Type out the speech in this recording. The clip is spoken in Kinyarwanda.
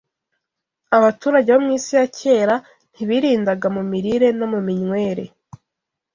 Abaturage bo mu Isi ya Kera ntibirindaga mu mirire no mu minywere